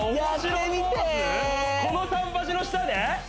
この桟橋の下で？